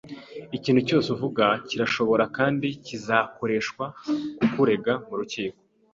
Ikintu cyose uvuga kirashobora kandi kizakoreshwa kukurega murukiko.